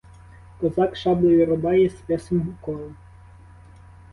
Козак шаблею рубає, списом коле.